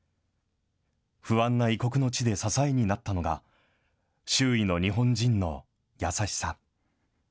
不安な異国の地で支えになったのが、周囲の日本人の優しさ。